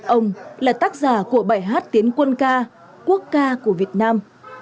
ông là tác giả của bài hát tiến quân ca quốc ca của việt nam